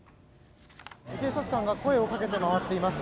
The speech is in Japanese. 警察官が声をかけて回っています。